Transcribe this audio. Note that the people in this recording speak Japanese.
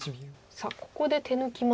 さあここで手抜きました。